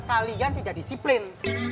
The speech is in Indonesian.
kalian tidak disiplin